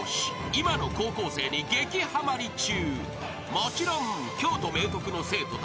今の高校生に激はまり中］